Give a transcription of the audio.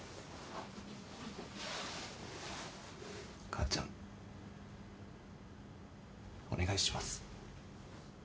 母ちゃんお願いします。